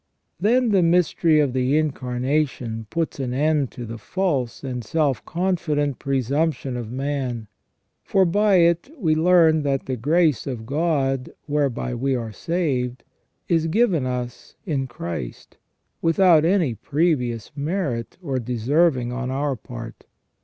"* Then the mystery of the Incar nation puts an end to the false and self confident presumption of man ; for by it we learn that the grace of God whereby we are saved is given us in Christ, without any previous merit or deserving on our part.